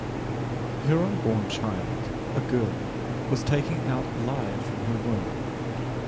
Her unborn child, a girl, was taken out alive from her womb.